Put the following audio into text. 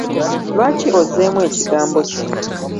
Lwaki ozzeemu ekigambo kino?